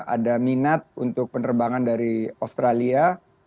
ada minat untuk penerbangan dari australia